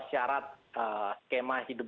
syarat skema hidup